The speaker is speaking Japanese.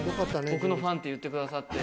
僕のファンって言ってくださって。